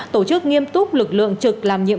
tổ chức nghiêm túc lực lượng trực